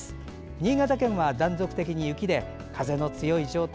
新潟県は断続的に雪で風の強い状態